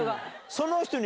その人に。